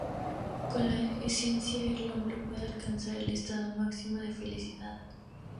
Con la ciencia el hombre puede alcanzar el estado máximo de felicidad.